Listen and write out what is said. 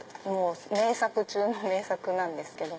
名作中の名作なんですけども。